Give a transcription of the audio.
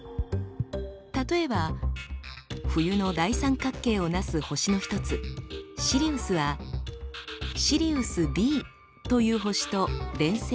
例えば冬の大三角形をなす星の一つシリウスはシリウスＢという星と連星になっています。